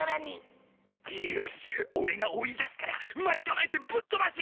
よしっオレが追い出すから待ち構えてぶっ飛ばせ！